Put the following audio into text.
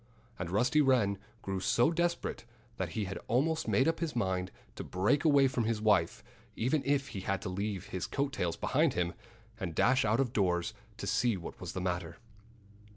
And Rusty Wren grew so desperate that he had almost made up his mind to break away from his wife, even if he had to leave his coat tails behind him, and dash out of doors to see what was the matter.